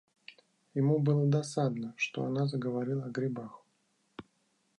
Ему было досадно, что она заговорила о грибах.